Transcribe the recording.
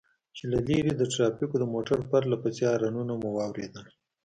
چې له لرې د ټرافيکو د موټر پرله پسې هارنونه مو واورېدل.